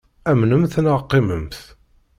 Amnemt neɣ qimemt.